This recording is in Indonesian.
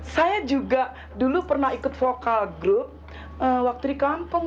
saya juga dulu pernah ikut vokal group waktu di kampung